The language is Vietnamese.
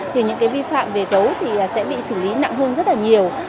thì những vi phạm về gấu sẽ bị xử lý nặng hơn rất nhiều